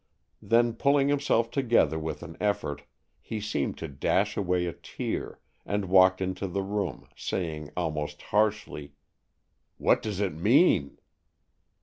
Then, pulling himself together with an effort, he seemed to dash away a tear, and walked into the room, saying almost harshly, "What does it mean?"